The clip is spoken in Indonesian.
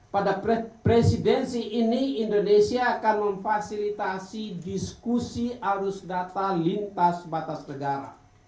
pada presidensi ini indonesia akan memfasilitasi diskusi arus data lintas batas negara